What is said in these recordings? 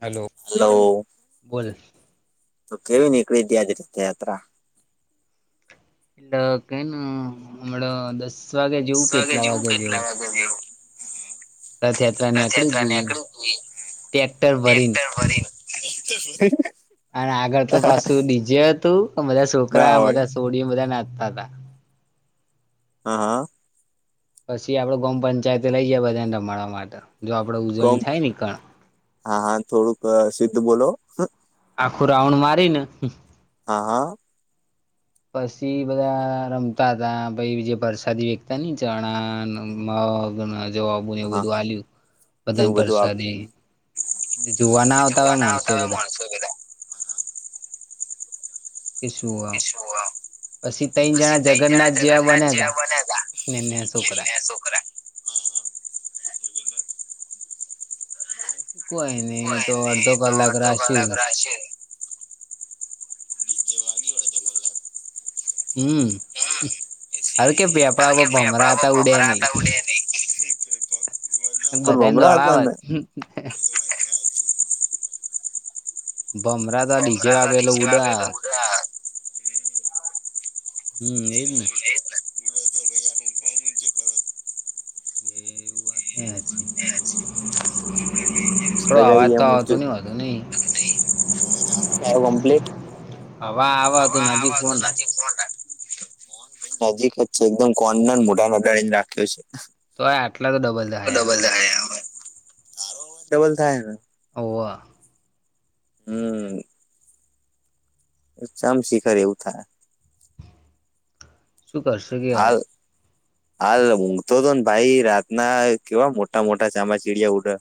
Hello hello બોલ. તો કેવી નીકળી ત્યાજ રીતે યાત્રા એટલે કેને હમણાં દસ વાગ્યા જેવું કેટલા વાગે જેવું? [inaudible] રથયાત્રા નેકડી ટી ટ્રેક્ટર ભરીને. [unintelligible] અને આગળ તો પાછું ડીજે હતું બધા ના છોકરા હોય બધા સોડિય બધા નાચતા હતા હા હા પછી આપડ ગમ પંચાયતે લઈ જઈ બધાને રમા માટે જો આપડે કોમ ઉજવણી થાય ને ક હા હા થોડુંક શીત બોલો આખું રાઉન્ડ મારીને હા હા પછી બધા રમતા હતા પછ બી જે વરસાદી વેગતા ને ચણા મગ જવાબ એ બધું આલ્યું એવું બધન બધું આપ પ્રસાદ જોવા ના આવતા હોય માણસો બધા શગેરા કે શું પસુંઆ પછી ત્રણ હ સી તઈ જણા જગન્નાથ જગન્નાથ બન્યા જેવા તા બન્યા ને છોકરા હતાને છોકરા પછી કવાય નહી તો અડધો કલાક રાશ બીજે વાગ્યું વડે તો મલા હમ હારુ કે પેપડા પછી તમ પર ભમરા હતા એપડા ઉડે પરા નહી હતા ઉડે ન બધાને દોડાવ ભમરા તો ડીચે વાગેલું ઉડા હા હમ એજ ને એ એ એવું વાત થોડો લગાઈ અવાજ તો એમ આવતો નની વાત નહી આવ કંપ્લીટ હવા આવા તું નથી કોણ કો નજીક જ છે એકદમ કોન મોટા મોટા ર રાખ્યો છે તો આટલા તો ડબલ થ હોય હ ડબલ થાય ને અવા હમ ચમ શિખર એવું થાય શું કરશ કે હાલ અવે હાલ ઊંઘ તો તો ને ભાઈ રાતના કેવા મોટા મોટા ચામાચિડિયા ઉડા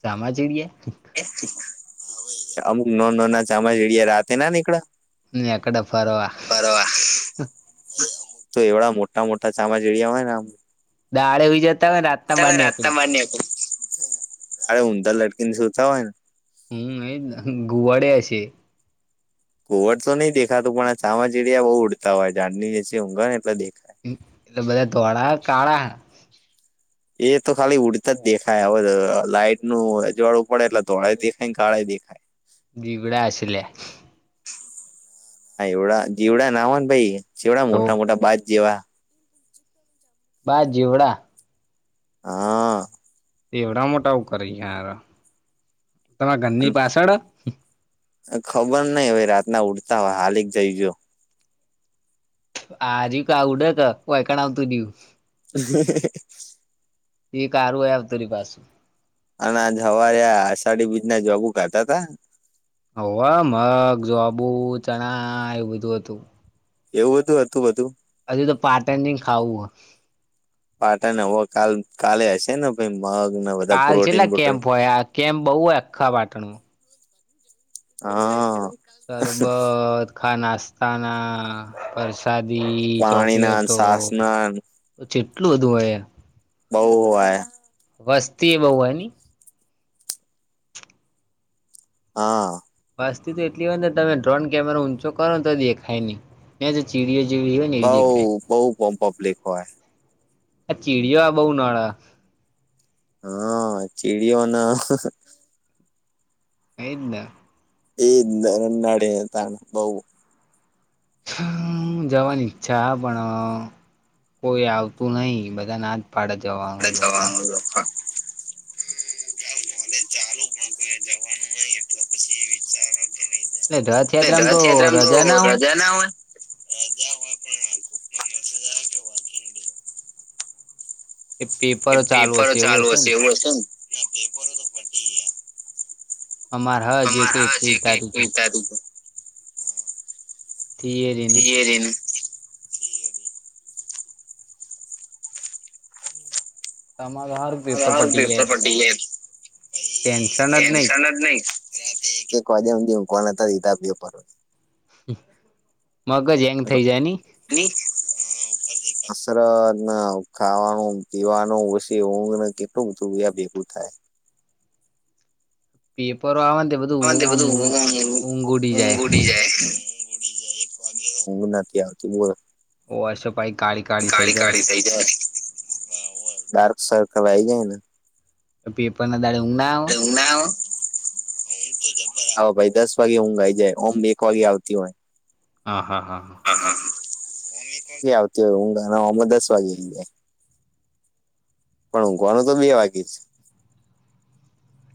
ચમાચેડીએ અમુક ન ન ના ચમાચડિયા રાતે ના નીકળ ન એકડા પરાવા તો એવડા મોટા મોટા ચામા જેડિયા હોય ને આમ. દાળે આવી જતા હોયને રાતના બાર ની રાતના એકકડી માન્ય અરે ઉંદર લટકી ને શું થ હોય ને હ અ ગુવાડ અશે. કુવડ તો નહિ દેખાતું પણ આ ચામાચીડીયા બહુ ઉડતા હોય ઊડતા જે ઊઘર એટલે દેખા. એટલે બધા ધોળ કાળા એ તો ખાલી ઉડતા જ દેખાય હવે લાાઈટ નું અજવાળું પડે એટલે ધોળા દેખાય ગાળા દેખાય. જીગડા આશલે હા એવડા જીવડા ના હો ને ભાઈ જેવડા તો મોટા મોટા બાદ જેવા બાદ જીવડા. હા એવડા મોટા આવ કરાર તમારા ઘરની પાછળ. ખબર નઈ ભાઈ રાતના ઉડતા હોય હાલીક જઈ ગો આજી ક આવડે ક હોયકણાવ તું દવ. હમ. એ કારુંય તરી પાસે અને આ જ હવાર આષાઢી બીજના જબુ ખાતા તા હ મગ જો આબુ ચણા એવું બધું હતું. એવું બધું હતું બધું હજુ તો પાટણ ન ખાવું હો. પાટાને હવે કાલ કાલે હશે ને મગને બધા પ્રોટીન પ્રોન કેમ બહુ આખાં વાટણું હા સરબત ખા નાસ્તા ના પર. સાદી પાણીના ન ચોકલેટો સાસના ન જેટલું બધું હોય. બવ હોય. વસ્તી એ બહ હ. હા વાસ્તતી તો એટલી હોય ને તમે ડ્રોન કેમેરો ઊંચો કરો ને તો દેખાય ત્યાં જે ચીડીઓ જેી હોય. ને બઉ એવી દેખાય બઉુ પોમપ ઓપ્ લક હોય. આ ચીડયો બહ નાળા હા ચીડીઓના અલે એનાડે તણ બઉ. હું જવાની ઈચ્છા પણ કોઈ આવતું નહીિ બધા ના પડજોવા જવાનું ચાલ ભલે ચાલુ પણ કોઈ જવાનું નઈિ એટલે પછી એટલે વિચાર રથયાત્રામાં તો રથયાત્રામાં રજા તો ના રજા ના હોય. એ કે પેપરો ચાલુ પેપર હશે એવું ચાલુ હશે ને. એ પ અમાર હ હજી એક અમારા હજ એકવી એક તારીખે વિતા. તીએ દન થિયરીનું તમારું હારું હ પેપર યારું પટી જાય. પપર પીંગ. ટેન્શન જ નહી એક એક વાજ્યા દવ કોણ હતા દીતા આપપર મગજ હેંગ થઇ જાય. હા ઉપર દઈખ કસરત ખાવાનું પીવાનું પછી ઊંઘને કેટલું બધું ભેગું થાય. પી પવા બધ હા તે બધું ઊઘ ઉટી જાય નથી આવ બો- ઓ આસો પાઈ કાળી કાળી થઇ જાય ડાર્ક સર્કલ આઈ જાય ને અી એ પણ ના દાડવ ના આવે ભાઈ દસ વાગે ઊંઘ આ આવી જાય ઓમ એક વાગે આવતી હોય હા હા હા હા હ આવતી હ ન અમ દાસ વાગ એને પણ હૂંકવાનું તો બે વાકી જ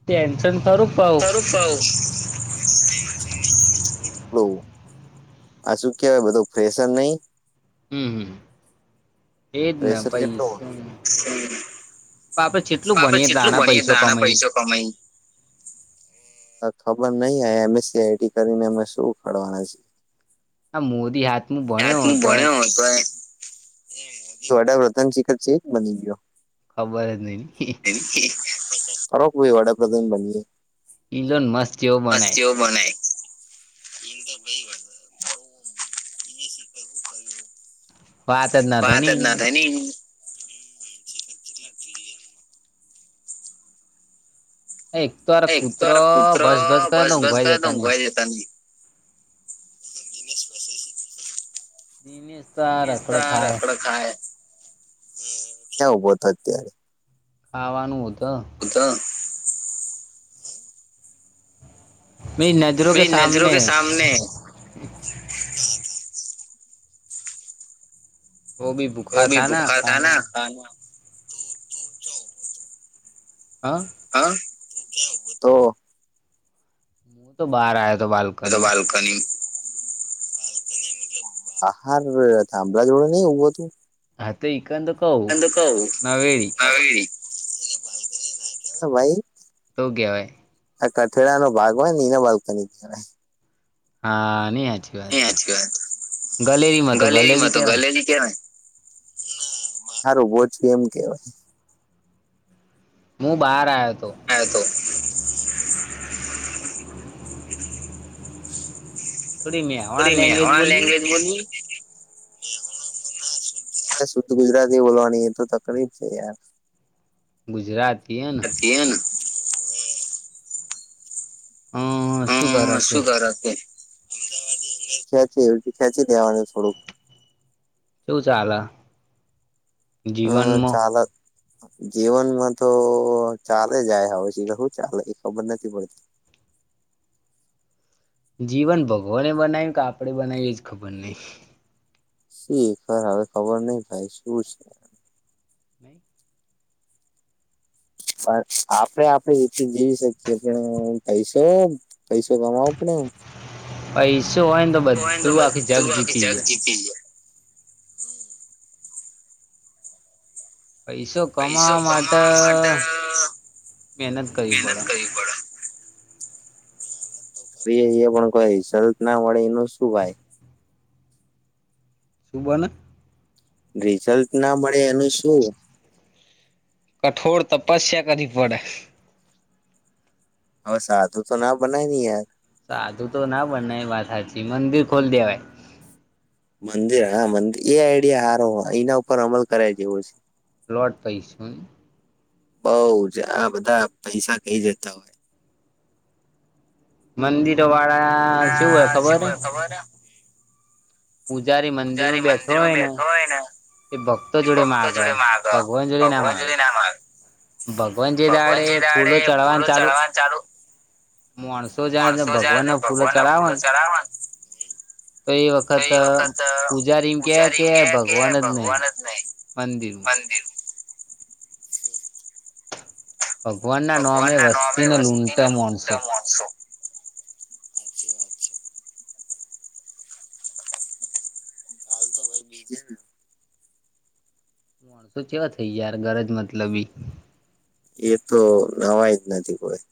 ટેન્શન સારું સારુંવ આ શું કેવાય બધું ફેશર નહી હમ હમ એજ ને પ્રેશર કેટલું પૈસા હોય- આપડે જેટલું આપડે ભણીએ જેટલું તાણા ભણીએ પૈસો તણા કમાઈ પૈસો કમાય ખબર નહ આ એમએસસી આઈટી કરીને અમે શું કરવાવાના છીએ આ મોદી હા આતમું ભણ્યો તો પ્રથન શિખર છે બની ગયો ખબર ન ખરોખઈ વડાપ્રધાન બનીએ ઇલોન મસ્ જેવ બનાય બ ભ વાત જ ના થાય ની ન એક તો વાર એ કૂતરો ભસ ભસ કરેને ઊંઘવાય જતા નહી તાની દીમેશ તો આ રકડ ખાય હા કે ઉભો તો અત્યારે આવાનું હો તો બ તો મેરી નજરો કે સામનેૈ તમને વો ભી ઓ ભૂખા ભી થા ભુખા થ ના ખાના ખાન હા હા તો હું તો બહાર આયા તો બાળકો એ તો બાલ્કની આહાર થંભળા જોડે નહ એવું હતું હા તો એકઈ કંદ કવું નાવે હ ભાઈ તો કહેવાય આ કઠેડા નો ભાગ હોય નીના બાલ્કનીય હા નયાજ એચ વાત તો ગલેરી માં તો કેવાય ગલેરી કેવાય સારું ઓોછું એમ કેવાય હું બહાર આવ્યો હતો હા તો થોડી મેહોણા થોડી લેંગ્વેજ મેહણા બોલી લેંગ્વેજ બોલવી શુદ્ધ ગુજરાતી બોલવાની તો તકલીફ છે યાર ગુજરાતી એ ને હમ શું હમ કરો કે શું કર તે અમદાવાદ અ ખં છે એવ ખ્યાં છે રવા થોડુંક શું ચાલ હ ચાલ જીવનમાં તો ચાલે જાય હછ કે શું ચાલે એ ખબર નથી પડતી જીવન ભગવાને બનાવ્યું કે આપડે બનાવીએ જ ખબર નહીિ શી ખર હવે ખબર નહ ભાઈ શું છે નહી પણ આપડે આપડે રીતે જીવી શકીએ પણ પૈસો પૈસો કમાવો પડને એમ પૈસો હોય ને તો હોયને તો બધું બધ આખી જગ તું આખી જીતી જગ જાય જીતી જ પૈસો પૈસો કમાવા માટે મહેનત કરવી મહેનત પડે કરવી એ એ પણ કઈ સત ના મળે એનું શું ભાઈ સુભના રિઝલ્ટ ના મળે એનું શું કઠોર તપસ્યા કરવી પડે હવે સાદું તો ના બનાવી યાર સાધું તો ના બને એ વાત સાચી મંદિર ખોલી દેવાય મંદિર હા મંદિર એ આઈડિયા સારો હો એના ઉપર અમલ કરાય જેવો છે. પ્લોટ પાઈશ બઉ જ આ બધા પૈસા કહી જતા હોય. મંદિર વાળ શું હ ખબર સવારે પૂજારી મંદિર માં બેઠો મંદિરમાં હોય ને બેઠો હોય એ ભક્તો જોડે માગ ભગવાન જોડે ના માગે ભગવાન જે દાડે એ ફૂલો દાડે ચડવાનું ચાલુ ચડવા માણસો જને માણસો ભગવાન જયારે ના ફૂલો નો ફૂલો ચડાવાના ચડાવે તો એ વખત પૂજારીમ કે કે ભગવાન જ નહી મંદિરમાં ભગવાન નામે ભગવાન ના નાોમે વસ્તીને વસ્તીને લૂંટા માણસો લુંડમ છો બીજે ને માણસો કેવા થઈ યાર ઘરજ મતલબી એ તો નવાય જ નથી કરી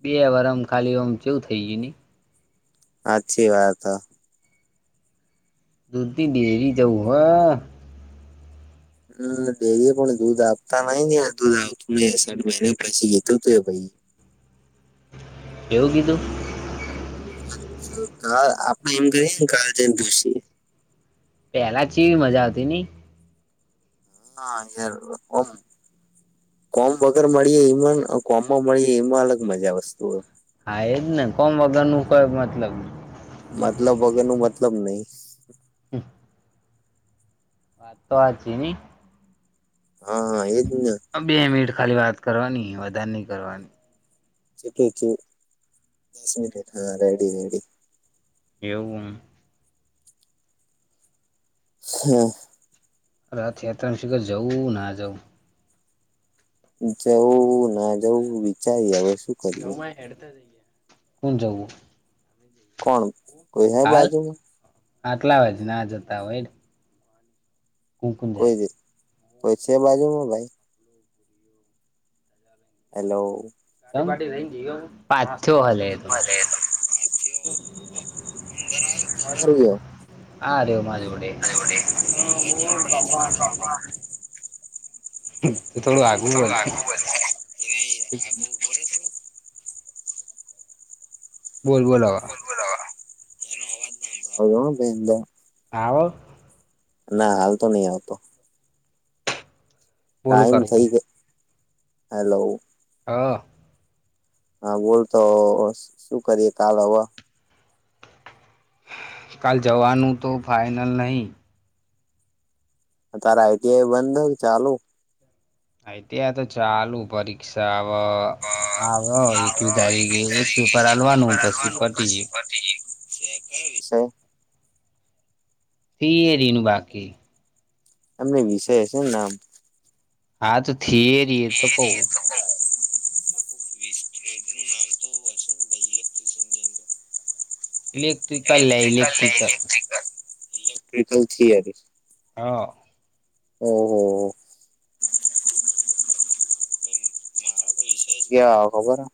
બે વાર આમ ખાલીમ જેવું થઈ જયે. અચછી વાત હ દદી દેરી જાઉ હ. હમ ડેરી પણ દૂધ આપતા નઈ ને દૂધ આવતું મે સાઠ મહિને પછી ગીતું હતું એ ભાઈ એવું કીધું. તો કા આપણે એમ કરી કાળ જેમ પસી. પેલા જે એવી મજા આવતી ની. હા અત્યારે ઓમ. કોમ વગર મળીએે એમાં કોમમાં મળીએે એમાં અલગ મજા વસ્તુ હો હા એજ ને કોમ વગર નું કઈ મતલબ મતલબ વગર નું મતલબ નહી હ [unintelligible] વાત તો વા જ ની હા હા એ જ ને બે મિનિટ ખાલી વાત કરવાની વધારે નહી કરવાની. શું કે છે દસ મિનિટ હા રેડી રડી એવું. હમ રથયાત્રામાં શી ખબર જવું ના જવું. જવું ના જવું વિચારીએ હવે શું કરીએ. હેડતા જઈએ કુ જવું આપે કોણ જઈએ કોઈ હે હાલ બાજુમાં આટલા વજ ના જતા હોય હેડ. કોઈ દી કોઈ છે બાજુમાં ભાઈ? હેલો તારા માટે થઈને જિયો હું પાછો હલે હલો! અંદર આવ તું બાર ગયો. આર્યો માર જોડે અ બોલ બાપા. થોડું આગું વચ્ચે એ આગુ હોય થોડું. બોલ બોલ હવે બોલો હવે મારો અવાજ ના આયો આયો હ બેનબા આવે? ના હાલ તો નહી આવતો. બોલું ટાઈમ કરવું થઈ ગયો હલો હહ હા બોલ તો શું કરીએે કાલ હવે? કાલ જવાનું તો ફાઈનલ નહી. તારે આઈટીઆઈ બંધ નહીં ચાલુ? આઈ. ટી. આઈ તો ચાલું પરીક્ષા આવ. આવે કયો એકવી તારીખે એક પેપર આલવાનું પસી પતી ગયું. એક વિષય ક્યા વિષય? થીયરી નું બાકી. એમ નઈ વિષય હશે ને નામ. હા તો થિયેરી એ તો કવું. [inaudible] ઈલેક્ટ્રિકલ લે ઈલેક્ટ્રિકલ. Electrical theory. હા. ઓહ! હો હો. આમાં વિષય કયા આવે ખબર હે?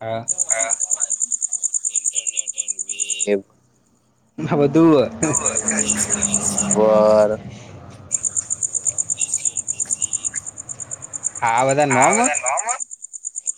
હા હા ઇન્ટરનેટ એન વીજ. માર બદલવું હ્. ભલે આ બધા નોમ હ?